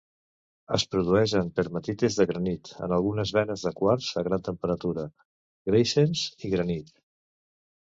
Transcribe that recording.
Es produeix en pegmatites de granit, en algunes venes de quars a gran temperatura, greisens i granits.